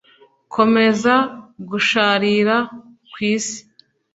Komeza gusharira kw isi